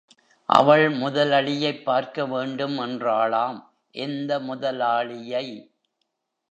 அவள் முதலளியைப் பார்க்க வேண்டும் என்றாளாம், எந்த முதலாளியை?